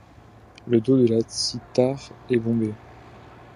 Le dos de la cithare est bombé.